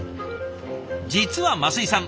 実は升井さん